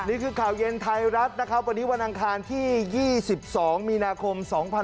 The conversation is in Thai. นี่คือข่าวเย็นไทยรัฐนะครับวันนี้วันอังคารที่๒๒มีนาคม๒๕๖๒